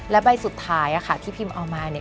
และใบสุดท้ายค่ะที่พิมเอามาเนี่ย